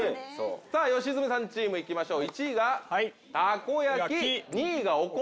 さぁ良純さんチーム行きましょう。